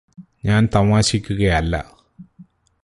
ഞാന് തമാശിക്കുകയല്ല